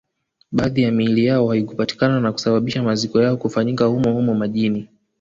Baadhi yao miili yao haikupatikana na kusababisha maziko yao kufanyika humo humo majini